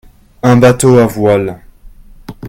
Un bâteau à voile.